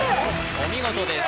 お見事です